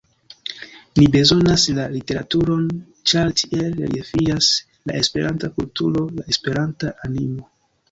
Ni bezonas la literaturon, ĉar tiel reliefiĝas la Esperanta kulturo, la Esperanta animo.